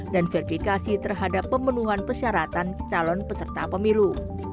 dan verifikasi terhadap pemenuhan persyaratan calon peserta pemilu